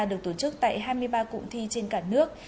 được tổ chức tại hai mươi ba cụm thi trên cả nước